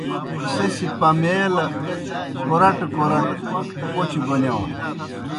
سہ سیْ پمیلہ کورٹہ کورٹہ پوْچہ بونِیاؤن۔